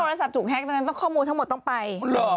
ก็ว่าโทรศัพท์ถูกแฮ็กต์ต้องข้อมูลทั้งหมดต้องไป